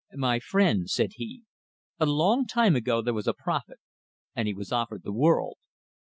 "My friend," said he, "a long time ago there was a prophet, and he was offered the world.